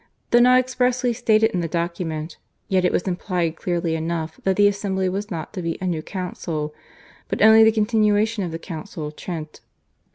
Though not expressly stated in the document, yet it was implied clearly enough that the assembly was not to be a new council but only the continuation of the Council of Trent.